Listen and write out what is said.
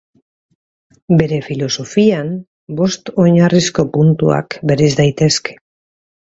Bere filosofian bost oinarrizko puntuak bereiz daitezke.